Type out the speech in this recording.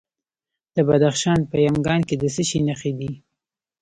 د بدخشان په یمګان کې د څه شي نښې دي؟